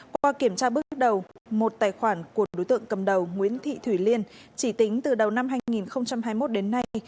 qua kiểm tra bước đầu một tài khoản của đối tượng cầm đầu nguyễn thị thủy liên chỉ tính từ đầu năm hai nghìn hai mươi một đến nay